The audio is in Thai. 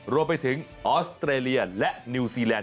รวมไปถึงออสเตรเลียและนิวซีแลนด์